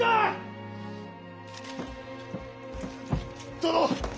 殿！